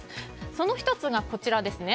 その１つが、こちらですね。